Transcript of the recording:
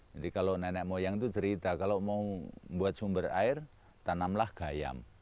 jadi kalau nenek moyang itu cerita kalau mau membuat sumber air tanamlah gayam